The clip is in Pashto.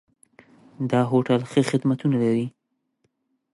دا هوټل ښه خدمتونه لري.